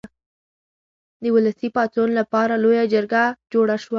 د ولسي پاڅون لپاره لویه جرګه جوړه شوه.